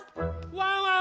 ・ワンワン